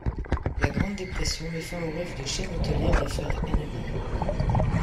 La Grande Dépression met fin au rêve de chaîne hôtelière des frères Heineman.